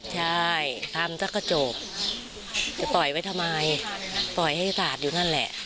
ใช่ทำซะก็จบจะต่อยไว้ทำไมต่อยให้สาดอยู่นั่นแหละ